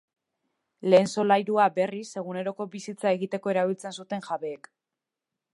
Lehen solairua, berriz, eguneroko bizitza egiteko erabiltzen zuten jabeek.